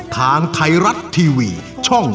ทางไทยรัฐทีวีช่อง๓